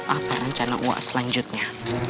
apa rencana saya selanjutnya